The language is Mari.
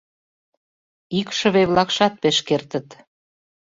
Икшыве-влакшат пеш кертыт.